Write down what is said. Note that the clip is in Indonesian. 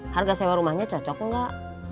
harga sewa rumahnya cocok nggak